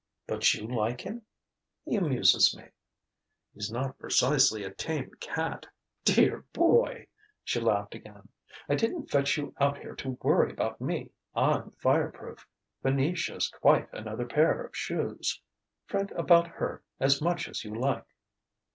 "But you like him?" "He amuses me." "He's not precisely a tame cat...." "Dear boy!" she laughed again, "I didn't fetch you out here to worry about me. I'm fire proof. Venetia's quite another pair of shoes. Fret about her as much as you like."